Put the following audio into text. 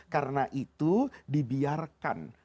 karena itu dibiarkan